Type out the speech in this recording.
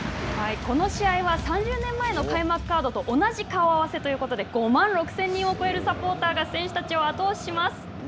この試合は３０年前の開幕カードと同じ顔合わせということで５万６０００人を超えるサポーターが選手たちを後押しします。